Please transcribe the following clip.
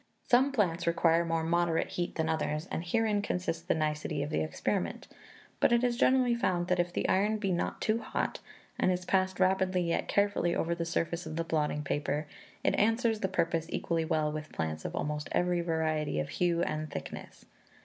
Some plants require more moderate heat than others, and herein consists the nicety of the experiment; but it is generally found that if the iron be not too hot, and is passed rapidly yet carefully over the surface of the blotting paper, it answers the purpose equally well with plants of almost every variety of hue and thickness.